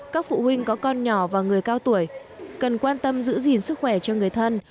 các phụ huynh có thể đưa trẻ đến cơ sở y tế gần nhất